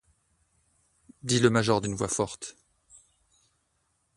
dit le major d’une voix forte.